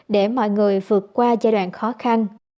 để mọi người vượt qua giai đoạn khó khăn